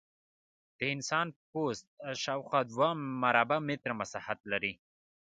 د انسان پوست شاوخوا دوه مربع متره مساحت لري.